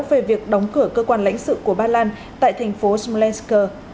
về việc đóng cửa cơ quan lãnh sự của ba lan tại thành phố zmensk